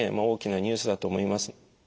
大きなニュースだと思います。